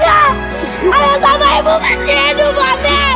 ayah sama ibu masih hidup pak deh